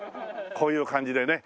こういう感じでね。